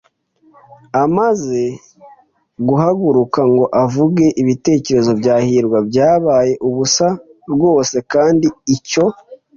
Amaze guhaguruka ngo avuge, ibitekerezo bya hirwa byabaye ubusa rwose kandi icyo